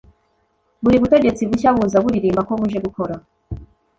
buri butegetsi bushya buza buririmba ko buje gukora